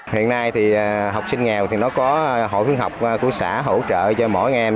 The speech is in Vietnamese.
hiện nay thì học sinh nghèo thì nó có hội khuyến học của xã hỗ trợ cho mỗi em